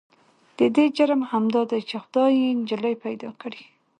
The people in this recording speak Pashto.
د دې جرم همدا دی چې خدای يې نجلې پيدا کړې.